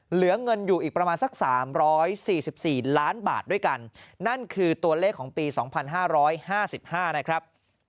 เหลือเงินอยู่อีกประมาณสัก๓๔๔ล้านบาทด้วยกันนั่นคือตัวเลขของปี๒๕๕๕นะครับ